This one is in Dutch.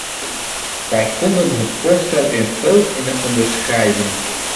Wij konden het voorstel in grote lijnen onderschrijven.